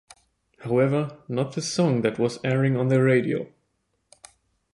However, not the song that was airing on their radio.